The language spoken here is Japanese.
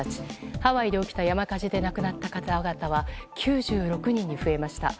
ハワイで起きた山火事で亡くなった方々は９６人に増えました。